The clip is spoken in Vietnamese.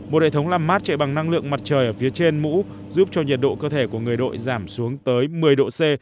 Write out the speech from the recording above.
một hệ thống làm mát chạy bằng năng lượng mặt trời ở phía trên mũ giúp cho nhiệt độ cơ thể của người đội giảm xuống tới một mươi độ c